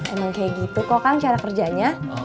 emang kayak gitu kok kan cara kerjanya